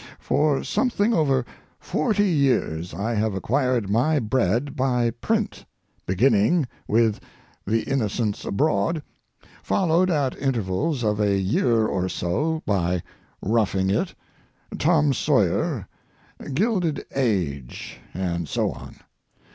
For something over forty years I have acquired my bread by print, beginning with The Innocents Abroad, followed at intervals of a year or so by Roughing It, Tom Sawyer, Gilded Age, and so on.